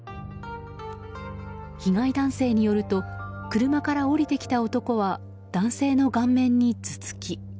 被害男性によると車から降りてきた男は男性の顔面に頭突き。